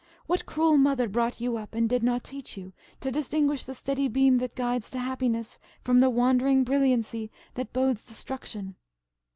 What cruel mother brought you up, and did not teach you to distinguish the steady beam that guides to happiness, from the wandering brilliancy that bodes destruction?"